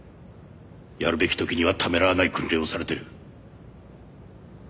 やるべき時にはためらわない訓練をされてる。